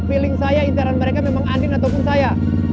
feeling saya intaran mereka memang andin ataupun saya